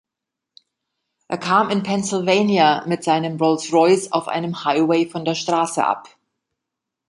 Er kam in Pennsylvania mit seinem Rolls-Royce auf einem Highway von der Straße ab.